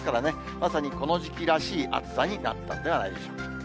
まさにこの時期らしい暑さになったんではないでしょうか。